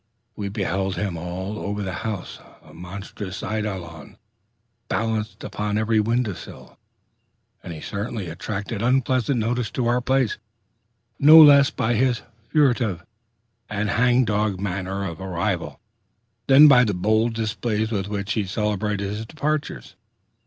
We beheld him all over the house, a monstrous eidolon, balanced upon every window sill; and he certainly attracted unpleasant notice to our place, no less by his furtive and hangdog manner of arrival than by the bold displays with which he celebrated his departures.